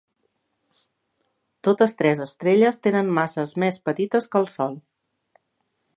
Totes tres estrelles tenen masses més petites que el Sol.